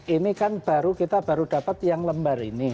ini kan baru kita baru dapat yang lembar ini